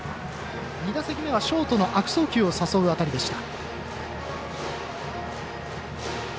２打席目はショートの悪送球を誘う当たりでした。